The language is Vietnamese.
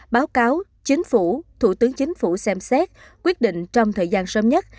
báo cáo chính phủ thủ tướng chính phủ xem xét quyết định trong thời gian sớm nhất